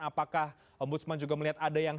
apakah ombudsman juga melihat ada yang